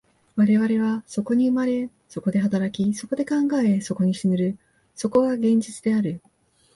我々はそこに生まれ、そこで働き、そこで考え、そこに死ぬる、そこが現実である。